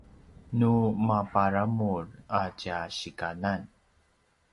nu maparamur a tja sikanan